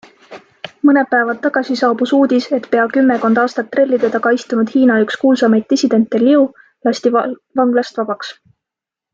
Mõned päevad tagasi saabus uudis, et pea kümmekond aastat trellide taga istunud Hiina üks kuulsaimaid dissidente Liu lasti vanglast vabaks.